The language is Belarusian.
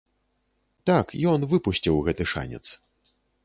Так ён выпусціў гэты шанец.